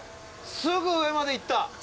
すぐ上までいった。